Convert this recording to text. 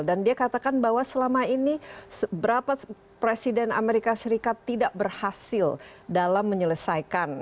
dan dia katakan bahwa selama ini beberapa presiden amerika serikat tidak berhasil dalam menyelesaikan